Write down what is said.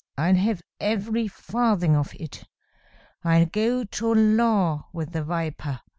I'll have every farthing of it. I'll go to law with the viper.